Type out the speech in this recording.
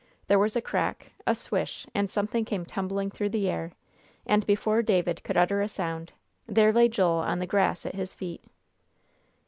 There was a crack, a swish, and something came tumbling through the air, and before David could utter a sound, there lay Joel on the grass at his feet.